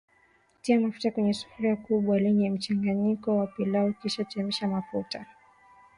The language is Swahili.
Tia mafuta kwenye sufuria kubwa lenye mchanganyiko wa pilau kisha chemsha mafuta